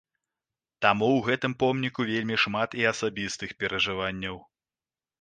Таму ў гэтым помніку вельмі шмат і асабістых перажыванняў.